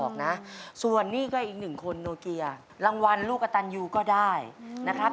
ใช่ครับในแหลลิเกย์ก็ใช้ใช่ครับ